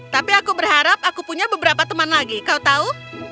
tapi aku berharap aku punya beberapa teman lagi kau tahu